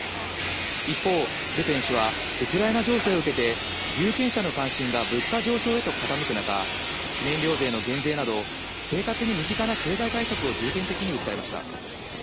一方、ルペン氏は、ウクライナ情勢を受けて、有権者の関心が物価上昇へと傾く中、燃料税の減税など、生活に身近な経済対策を重点的に訴えました。